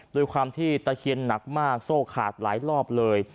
ด้วยความที่ตะเคียนหนักมากโซ่ขาดหลายรอบเลย